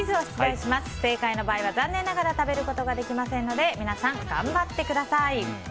不正解の場合は残念ながら食べることができませんので皆さん、頑張ってください。